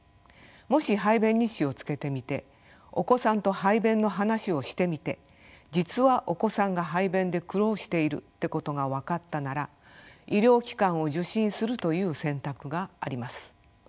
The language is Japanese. もし排便日誌をつけてみてお子さんと排便の話をしてみて実はお子さんが排便で苦労しているってことが分かったなら医療機関を受診するという選択があります。